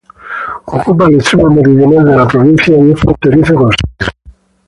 Ocupa el extremo meridional de la provincia y es fronterizo con Serbia.